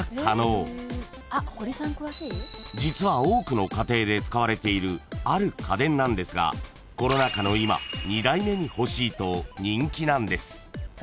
［実は多くの家庭で使われているある家電なんですがコロナ禍の今２台目に欲しいと人気なんです］